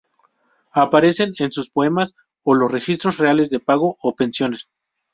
Aparecen en sus poemas o los registros reales de pago de pensiones.